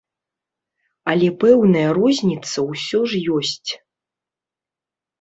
Але пэўная розніца ўсё ж ёсць.